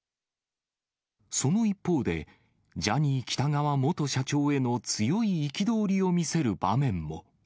その一方で、ジャニー喜多川元社長への強い憤りを見せる場面も。